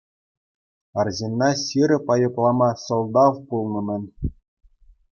Арҫынна ҫирӗп айӑплама сӑлтав пулнӑ-мӗн.